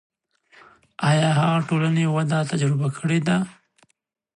آیا هغه ټولنې وده تجربه کړې ده.